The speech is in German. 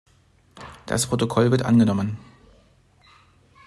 Das Protokoll wird angenommen.